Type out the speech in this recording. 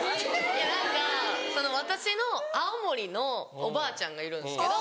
いや何か私の青森のおばあちゃんがいるんですけど。